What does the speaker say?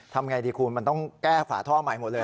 ทำอย่างไรดีคุณมันต้องแก้ฝาท่อใหม่หมดเลยหรือ